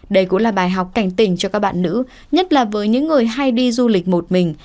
đây cũng là bài học cảnh tỉnh cho các bạn nữ nhất là với những người hay đi du lịch một mình